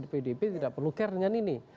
pdip tidak perlu care dengan ini